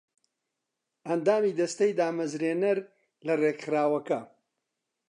ئەندامی دەستەی دامەزرێنەر لە ڕێکخراوەکە